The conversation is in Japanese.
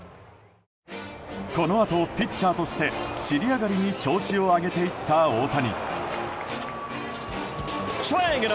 このあとピッチャーとして尻上がりに調子を上げていった大谷。